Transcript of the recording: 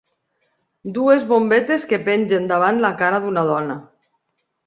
Dues bombetes que pengen davant la cara d'una dona.